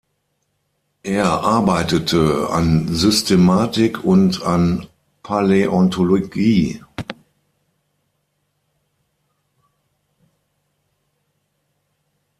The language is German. Er arbeitete an Systematik und an Paläontologie.